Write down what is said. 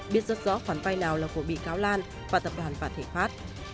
biết rất rõ khoản vai nào là của bị cáo lan và tập đoàn phản thể pháp